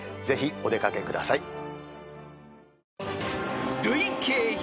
ぜひお出掛けください。